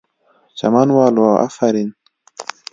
چمن والو آفرین!!